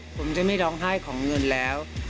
ผมจะไม่ร้องไห้ของเงินแล้ว